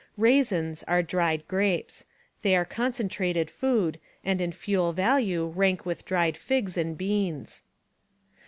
Raisins are dried grapes. They are concentrated food and in fuel value rank with dried figs and beans.